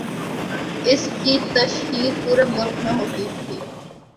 اس کی تشہیر پورے ملک میں ہوتی تھی۔